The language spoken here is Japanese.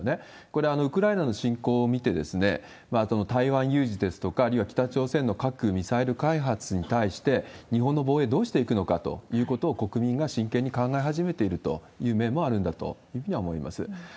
これ、ウクライナの侵攻を見て、台湾有事ですとか、あるいは北朝鮮の核・ミサイル開発に対して、日本の防衛、どうしていくのかということを国民が真剣に考え始めているという面もあるんだというふうには思います。